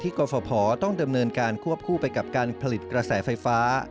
กรฟภต้องดำเนินการควบคู่ไปกับการผลิตกระแสไฟฟ้า